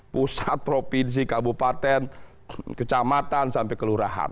pusat provinsi kabupaten kecamatan sampai kelurahan